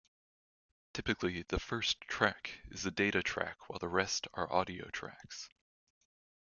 Typically the first track is a data track while the rest are audio tracks.